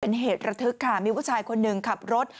เป็นเหตุระทึกค่ะมีผู้ชายคนหนึ่งขับรถ